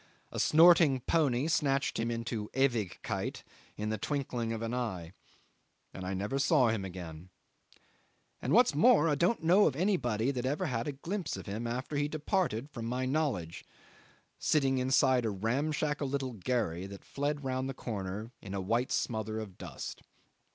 A snorting pony snatched him into "Ewigkeit" in the twinkling of an eye, and I never saw him again; and, what's more, I don't know of anybody that ever had a glimpse of him after he departed from my knowledge sitting inside a ramshackle little gharry that fled round the corner in a white smother of dust.